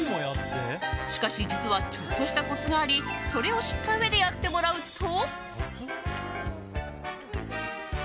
しかし実はちょっとしたコツがありそれを知ったうえでやってもらうと。